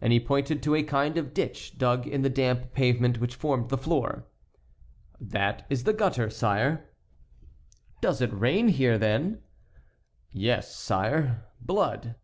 And he pointed to a kind of ditch dug in the damp pavement which formed the floor. "That is the gutter, sire." "Does it rain here, then?" "Yes, sire, blood."